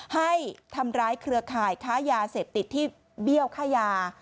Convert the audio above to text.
ให้ทำร้ายเครือข่ายค้ายาเสพติดที่เบี้ยวค่ายา